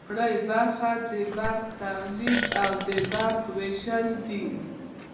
لومړی برخه د برق تولید او د برق ویش دی.